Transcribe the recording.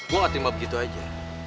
gue gak terima begitu aja